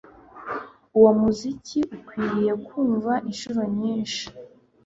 Uwo muziki ukwiriye kumva inshuro nyinshi